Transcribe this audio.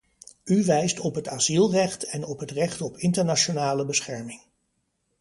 U wijst op het asielrecht en op het recht op internationale bescherming.